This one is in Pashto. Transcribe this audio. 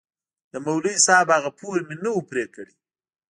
د مولوي صاحب هغه پور مې نه و پرې كړى.